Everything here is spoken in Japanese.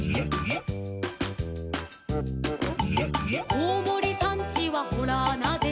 「こうもりさんちはほらあなで」